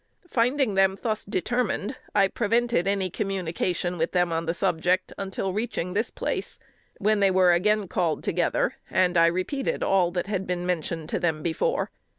Finding them thus determined, I prevented any communication with them on the subject until reaching this place, when they were again called together, and I repeated all that had been mentioned to them before.